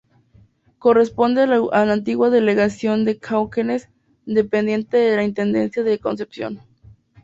Corresponde a la antigua Delegación de Cauquenes, dependiente de la Intendencia de Concepción.